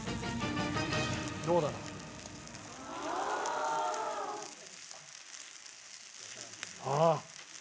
どうだろう？ああ。